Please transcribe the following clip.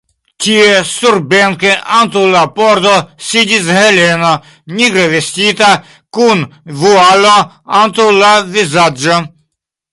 Tie, surbenke, antaŭ la pordo, sidis Heleno, nigre vestita, kun vualo antaŭ la vizaĝo.